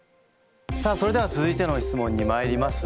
さあそれでは続いての質問にまいります。